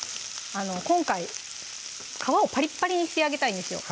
今回皮をパリッパリに仕上げたいんですよ